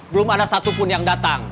belum ada satupun yang datang